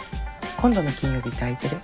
今度の金曜日って空いてる？